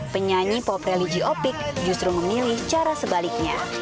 penyanyi pop religi opik justru memilih cara sebaliknya